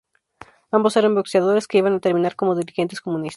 Ambos eran boxeadores, que iban a terminar como dirigentes comunistas.